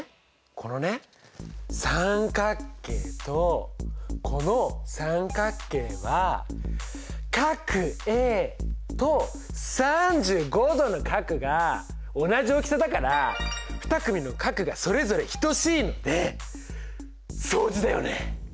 このね三角形とこの三角形はＡと３５度の角が同じ大きさだから２組の角がそれぞれ等しいので相似だよね。